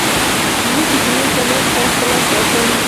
زه د جملو ترمنځ فاصله ساتم.